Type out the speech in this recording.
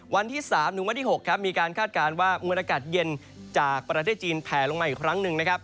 วันที่๓ถึงวันที่๖ครับมีการคาดการณ์ว่ามวลอากาศเย็นจากประเทศจีนแผลลงมาอีกครั้งหนึ่งนะครับ